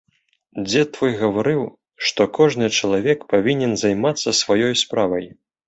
Дзед твой гаварыў, што кожны чалавек павінен займацца сваёй справай.